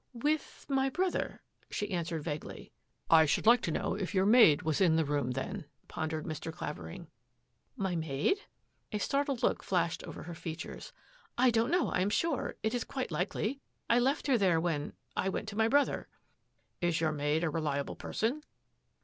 D^ost "With — my brother," she answered vaguely, ^oii't " I should like to know if your maid was in the '*8n't room then," pondered Mr. Clavering. " My maid? " A startled look flashed over her your ! features. " I don't know, I am sure. It is quite ering likely. I left her there when — I went to my J for brother." " Is your maid a reliable person?